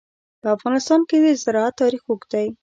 په افغانستان کې د زراعت تاریخ اوږد دی.